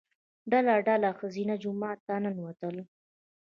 ډله ډله ښځینه جومات ته ننوتل.